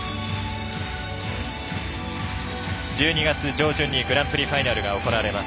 １２月上旬にグランプリファイナルが行われます。